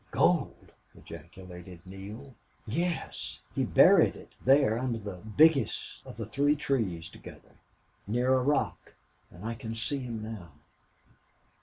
"Gold!" ejaculated Neale. "Yes. He buried it there under the biggest of the three trees together. Near a rock! Oh, I can see him now!"